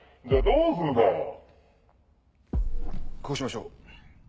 こうしましょう。